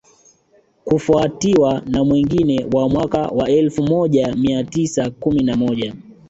kufuatiwa na mwingine wa mwaka wa elfu moja mia tisa kumi na moja